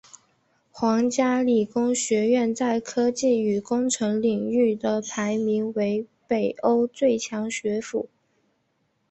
皇家理工学院在科技与工程领域的排名为北欧最强学府。